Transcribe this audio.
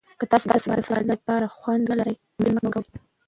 که تاسو د فعالیت لپاره خوند ونه لرئ، تمرین مه کوئ.